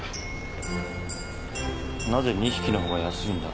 なぜ２匹のほうが安いんだ？